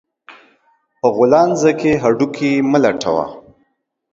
په غولانځه کې هډو کى مه لټوه